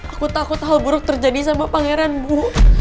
aku takut hal buruk terjadi sama pangeran bu